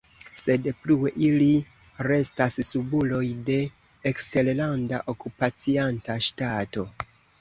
Sed plue ili restas subuloj de eksterlanda okupacianta ŝtato.